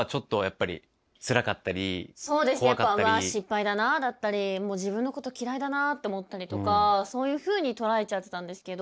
うわ失敗だなだったり自分のこと嫌いだなって思ったりとかそういうふうに捉えちゃってたんですけど。